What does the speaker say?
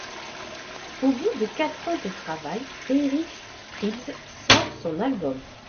Au bout de quatre ans de travail, Eric Prydz sort son album '.